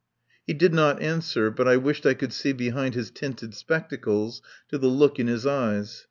He did not answer, but I wished I could see behind his tinted spectacles to the look in his eyes.